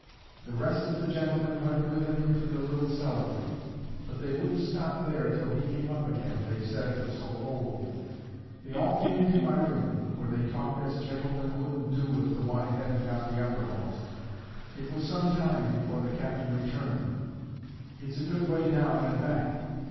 The rest of the gentlemen went with him into the little cellar room; but they wouldn't stop there till he came up again, they said it was so cold. They all came into my room, where they talked as gentlemen wouldn't do if the wine hadn't got uppermost. It was some time before the captain returned. It's a good way down and back.